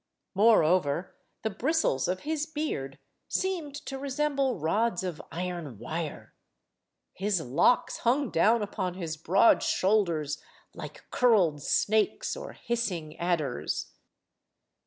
Moreover, the bristles of his beard seemed to resemble rods of iron wire. His locks hung down upon his broad shoulders, like curled snakes or hissing adders.